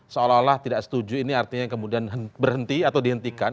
seolah olah tidak setuju ini artinya kemudian berhenti atau dihentikan